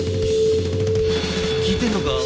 聞いてんのか？